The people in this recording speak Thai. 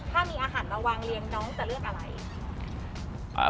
ถ้ามีอาหารมาวางเรียงน้องจะเลือกอะไร